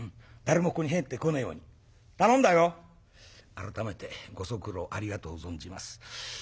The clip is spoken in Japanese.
改めてご足労ありがとう存じます。